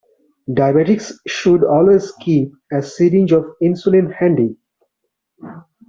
Diabetics should always keep a syringe of insulin handy.